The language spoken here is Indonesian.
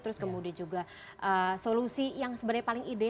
terus kemudian juga solusi yang sebenarnya paling ideal